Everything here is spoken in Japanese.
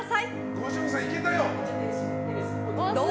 五条院さん、いけたよ。